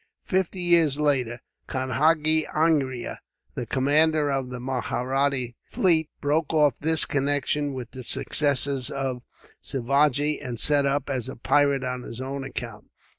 Fifty years later, Kanhagi Angria, the commander of the Mahratta fleet, broke off this connection with the successors of Sivagi, and set up as a pirate on his own account.